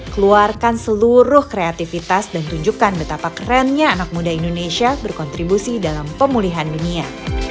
keluarkan seluruh kreativitas dan tunjukkan betapa kerennya anak muda indonesia berkontribusi dalam pemulihan dunia